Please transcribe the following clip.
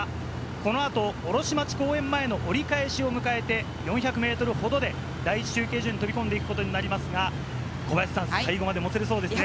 この後、卸町公園前の折り返しを迎えて、４００ｍほどで、第１中継所に飛び込んでいくことになりますが、小林さん、最後までもつれそうですね。